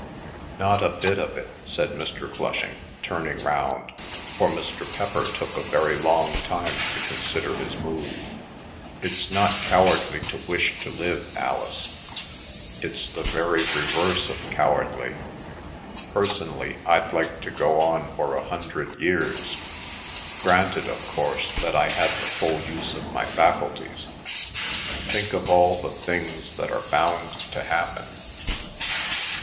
"Not a bit of it!" said Mr. Flushing, turning round, for Mr. Pepper took a very long time to consider his move. "It's not cowardly to wish to live, Alice. It's the very reverse of cowardly. Personally, I'd like to go on for a hundred years—granted, of course, that I had the full use of my faculties. Think of all the things that are bound to happen!"